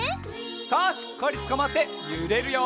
さあしっかりつかまってゆれるよ！